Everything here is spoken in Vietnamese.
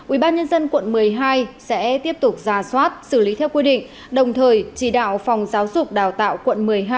ubnd quận một mươi hai sẽ tiếp tục ra soát xử lý theo quy định đồng thời chỉ đạo phòng giáo dục đào tạo quận một mươi hai